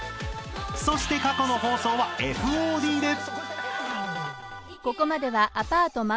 ［そして過去の放送はＦＯＤで］